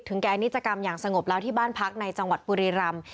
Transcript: แก่อนิจกรรมอย่างสงบแล้วที่บ้านพักในจังหวัดบุรีรำ